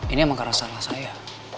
ini emang karena salah saya